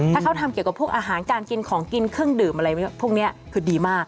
ถ้าเขาทำเกี่ยวกับพวกอาหารการกินของกินเครื่องดื่มอะไรพวกนี้คือดีมาก